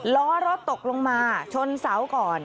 ล้อรถตกลงมาชนเสาก่อน